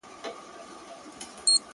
• د چمن هغه کونج چي په ځنګله ننوتلی -